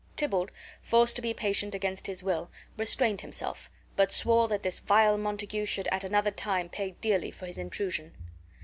Tybalt, forced to be patient against his will, restrained himself, but swore that this vile Montague should at another time dearly pay for his intrusion.